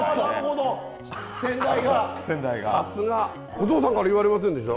お父さんから言われませんでした？